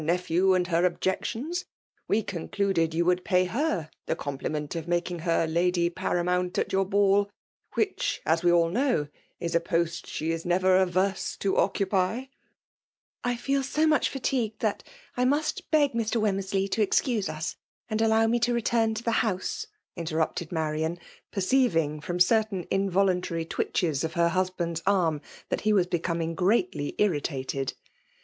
51 ha nepbew, and her objections, we concluded you would pay her the compliment of making her lady paramount at your ball, which, as we idl know, is a poal she is never averse to oc cupy. " I fed so mudi &tigned that I must beg }h. Wemmersley to excuse us, and Jievr me t^ return to the house," interrupted Marian» perceiving from certain involimtary twitches of her husband*8 arm that he was becoming greatly mitttted.